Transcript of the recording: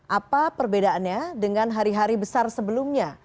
apa perbedaannya dengan hari hari besar sebelumnya